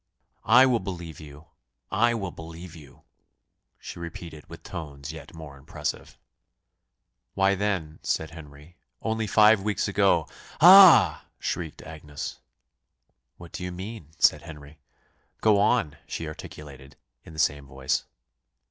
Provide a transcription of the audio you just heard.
"I will believe you I will believe you," she repeated with tones yet more impressive. "Why, then," said Henry, "only five weeks ago " "Ah!" shrieked Agnes. "What do you mean?" said Henry. "Go on," she articulated, in the same voice.